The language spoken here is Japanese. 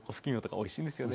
おいしいですよね。